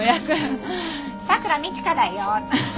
佐倉路花だよ！